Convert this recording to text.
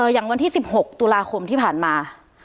อย่างวันที่๑๖ตุลาคมที่ผ่านมา